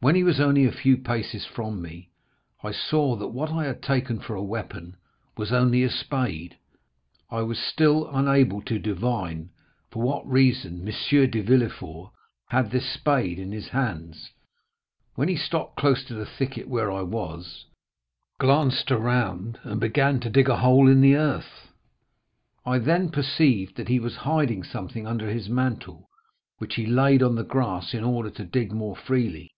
When he was only a few paces from me, I saw that what I had taken for a weapon was only a spade. I was still unable to divine for what reason M. de Villefort had this spade in his hands, when he stopped close to the thicket where I was, glanced round, and began to dig a hole in the earth. I then perceived that he was hiding something under his mantle, which he laid on the grass in order to dig more freely.